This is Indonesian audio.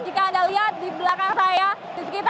jika anda lihat di belakang saya di sekitar